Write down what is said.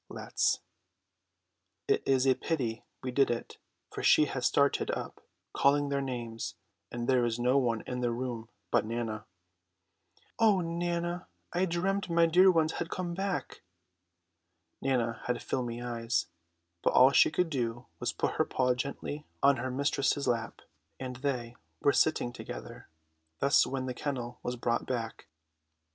Let's. It is a pity we did it, for she has started up, calling their names; and there is no one in the room but Nana. "O Nana, I dreamt my dear ones had come back." Nana had filmy eyes, but all she could do was put her paw gently on her mistress's lap; and they were sitting together thus when the kennel was brought back.